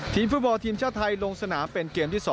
ฟุตบอลทีมชาติไทยลงสนามเป็นเกมที่๒